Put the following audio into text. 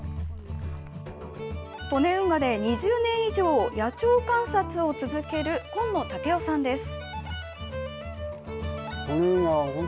利根運河で２０年以上、野鳥観察を続ける、紺野竹夫さんです。